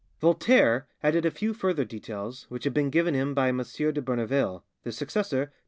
Voltaire added a few further details which had been given him by M. de Bernaville, the successor of M.